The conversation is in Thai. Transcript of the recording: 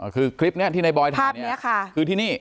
คือคลิปนี้ที่ในบอยถ่ายคือที่นี่